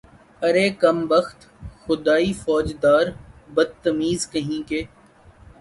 ارے کم بخت، خدائی فوجدار، بدتمیز کہیں کے